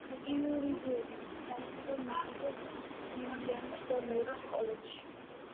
იურიდიული განათლება მიიღო უილიამის და მერის კოლეჯში.